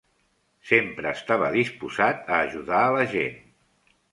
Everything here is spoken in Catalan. Sempre estava disposat a ajudar a la gent.